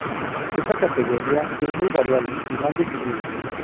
Esta categoría es muy variable y mal definida.